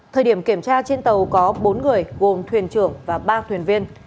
thời điểm kiểm tra trên tàu có bốn người gồm thuyền trưởng và ba thuyền viên